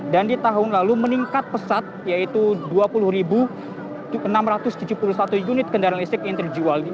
dan di tahun lalu meningkat pesat yaitu dua puluh enam ratus tujuh puluh satu unit kendaraan listrik yang terjual ini